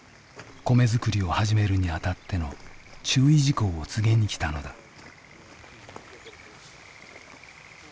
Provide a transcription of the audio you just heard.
米づくりを始めるにあたっての注意事項を告げに来たのだ。